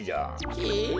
え。